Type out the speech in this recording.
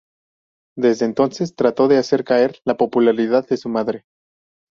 Desde entonces, trató de hacer caer la popularidad de su madre.